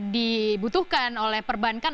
dibutuhkan oleh perbankan